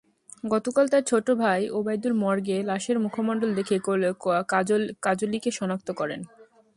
গতকাল তাঁর ছোট ভাই ওবায়দুল মর্গে লাশের মুখমণ্ডল দেখে কাজলিকে শনাক্ত করেন।